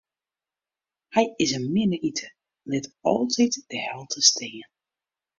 Hy is in minne iter, lit altyd de helte stean.